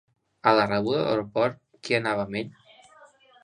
A la rebuda de l'aeroport, qui anava amb ell?